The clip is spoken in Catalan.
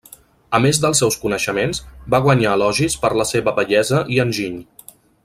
A més dels seus coneixements, va guanyar elogis per la seva bellesa i enginy.